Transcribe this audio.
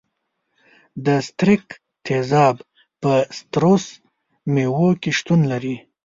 د ستریک تیزاب په سیتروس میوو کې شتون لري.